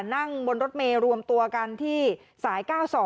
นั่งบนรถเมย์รวมตัวกันที่สาย๙๒